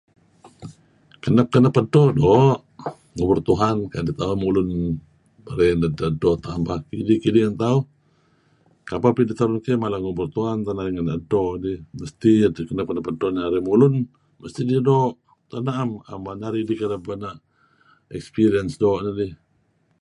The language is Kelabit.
kenep-kenep edto do' ngubur Tuhan tauh mulun mare seh edto tambah kidih kidih kapeh peh idih turun keh mala ngubur Tuhan teh narih ngen edto dih mesti kenep edto narih mulun mesti narih do' tak naam narih kereb inan experience do neh dih